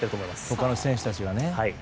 他の選手たちがね。